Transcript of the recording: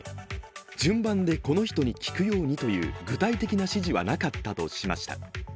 順番でこの人に聞くようにという具体的な指示はなかったとしました。